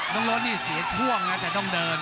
น้องโรสนี่เสียช่วงอ่ะแต่ต้องเดิน